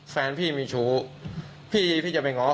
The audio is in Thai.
สามารถทดใจสินะ